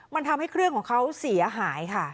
มันทำให้เครื่องของเขาเสียหายค่ะ